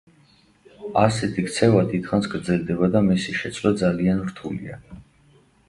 ასეთი ქცევა დიდხანს გრძელდება და მისი შეცვლა ძალიან რთულია.